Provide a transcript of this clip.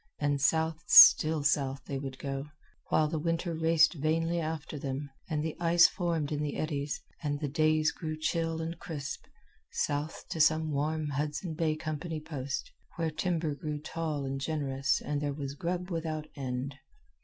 And south, still south, they would go, while the winter raced vainly after them, and the ice formed in the eddies, and the days grew chill and crisp, south to some warm Hudson Bay Company post, where timber grew tall and generous and there was grub without end.